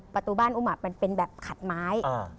ประตูบ้านอุ้มมันเป็นแบบขัดไม้